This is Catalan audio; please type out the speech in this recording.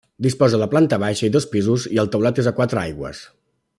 Disposa de planta baixa i dos pisos i el teulat és a quatre aigües.